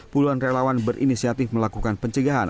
puluhan relawan berinisiatif melakukan pencegahan